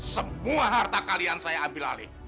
semua harta kalian saya ambil alih